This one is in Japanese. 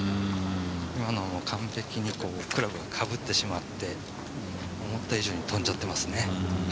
今のは完璧にクラブがかぶってしまって、思った以上に飛んでしまってますね。